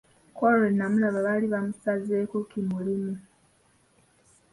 Kwolwo lwe namulaba baali bamusazeeko ki mulimu.